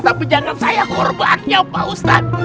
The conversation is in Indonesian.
tapi jangan saya korbannya pak ustadz